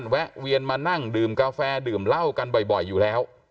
แวะเวียนมานั่งดื่มกาแฟดื่มเหล้ากันบ่อยอยู่แล้ว